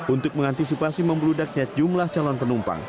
untuk mengantisipasi membludaknya jumlah calon penumpang